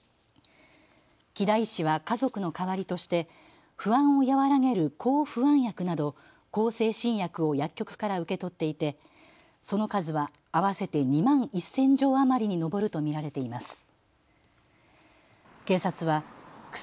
木田医師は家族の代わりとして不安を和らげる抗不安薬など向精神薬を薬局から受け取っていてその数は合わせて２万１０００錠余りに上ると見られています。